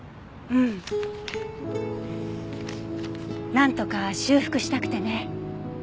なんとか修復したくてね。